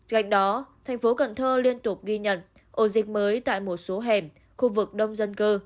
cạnh đó thành phố cần thơ liên tục ghi nhận ổ dịch mới tại một số hẻm khu vực đông dân cư